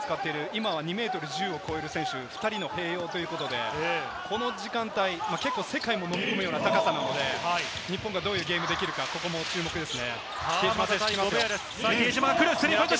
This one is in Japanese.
今は２ｍ１０を超える選手２人の併用ということで、この時間帯、結構世界ものみ込むような高さなので、日本がどういうゲームできるか注目です。